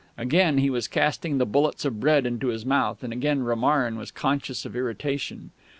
Again he was casting the bullets of bread into his mouth, and again Romarin was conscious of irritation.